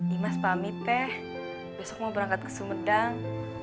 dimas pamit deh besok mau berangkat ke sumedang